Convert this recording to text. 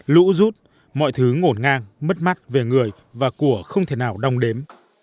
lũ rút mọi thứ ngổn ngang mất mắt về người và của không thể nào đong đếm